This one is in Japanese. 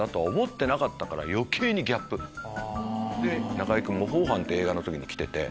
中居君『模倣犯』って映画の時に来てて。